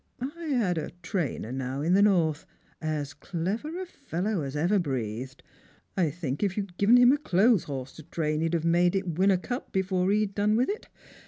I had a trainer, now, in the north, as clever a fellow as ever breathed. I think if you'd given him a clothes horse to train, he'd have made it win a cup before he'd done with it.